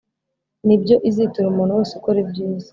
ni byo izitura umuntu wese ukora ibyiza